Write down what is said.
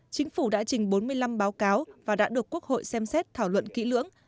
chính phủ đã trình bốn mươi năm báo cáo và đã được quốc hội xem xét thảo luận kỹ lưỡng